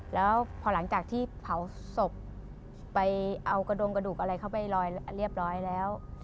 แล้วพอหลังจากที่เผาศพไปเอากระดงกระดูกอะไรเข้าไปลอยเรียบร้อยแล้ว